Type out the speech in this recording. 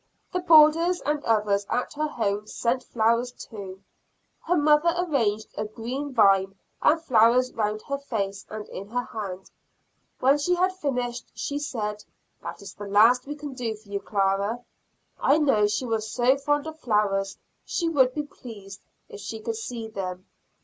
The boarders and others at her home sent flowers too. Her mother arranged a green vine and flowers around her face and in her hand. When she had finished, she said, "That is the last we can do for you, Clara; I know she was so fond of flowers, she would be pleased if she could see them."